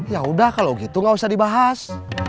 ya udah kalau gitu nggak usah dibahas